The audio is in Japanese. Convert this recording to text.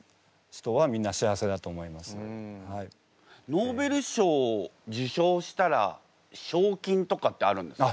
ノーベル賞を受賞したら賞金とかってあるんですか？